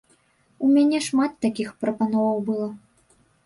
У мяне шмат такіх прапановаў было.